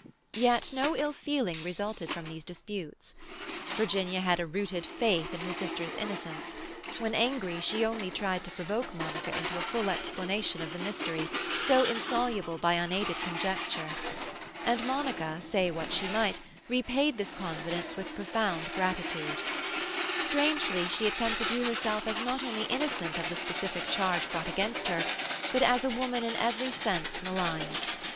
Yet no ill feeling resulted from these disputes. Virginia had a rooted faith in her sister's innocence; when angry, she only tried to provoke Monica into a full explanation of the mystery, so insoluble by unaided conjecture. And Monica, say what she might, repaid this confidence with profound gratitude. Strangely, she had come to view herself as not only innocent of the specific charge brought against her, but as a woman in every sense maligned.